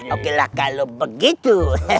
oke lah kalau begitu